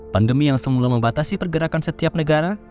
pandemi yang semula membatasi pergerakan setiap negara